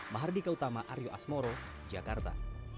mahardi kautama aryo asmoro jakarta